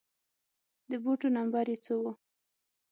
د بوټو نمبر يې څو و